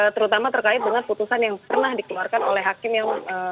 terutama terkait dengan putusan yang pernah dikeluarkan oleh hakim yang